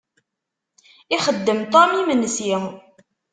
Ixeddem Tom imensi.